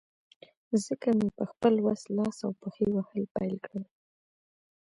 ځکه مې په خپل وس، لاس او پښې وهل پیل کړل.